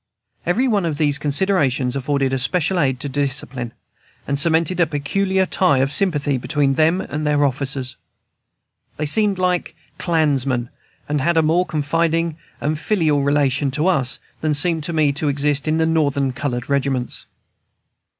Every one of these considerations afforded a special aid to discipline, and cemented a peculiar tie of sympathy between them and their officers. They seemed like clansmen, and had a more confiding and filial relation to us than seemed to me to exist in the Northern colored regiments.